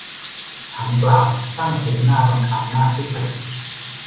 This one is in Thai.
ถังเปล่าสร้างเสียงน่ารำคาญมากที่สุด